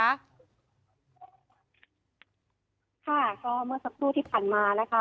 ค่ะก็เมื่อสักครู่ที่ผ่านมานะคะ